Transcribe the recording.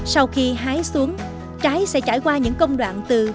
sau khi hái xuống trái sẽ trải qua những công đoạn từ